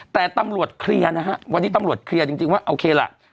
แต่ตำรวจเคลียร์นะฮะวันนี้ตำรวจเคลียร์จริงว่าโอเคล่ะ